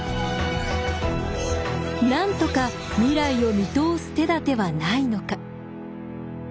なんとか未来を見通す手立てはないのか。